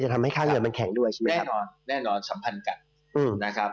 จะทำให้ค่าเงินมันแข็งด้วยใช่ไหมครับ